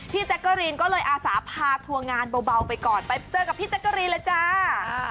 แจ๊กกะรีนก็เลยอาสาพาทัวร์งานเบาไปก่อนไปเจอกับพี่แจ๊กกะรีนเลยจ้า